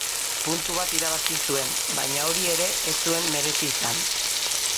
Puntu bat irabazi zuen, baina hori ere ez zuen merezi izan.